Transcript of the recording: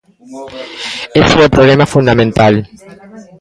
Ese é o problema fundamental.